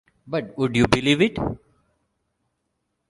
But would you believe it?